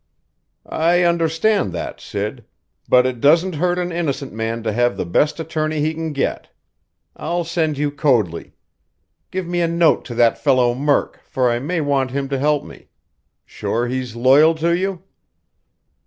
"I understand that, Sid, but it doesn't hurt an innocent man to have the best attorney he can get. I'll send you Coadley. Give me a note to that fellow Murk, for I may want him to help me. Sure he's loyal to you?"